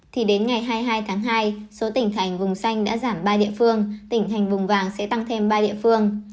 thì đến ngày hai mươi hai tháng hai số tỉnh thành vùng xanh đã giảm ba địa phương tỉnh thành vùng vàng sẽ tăng thêm ba địa phương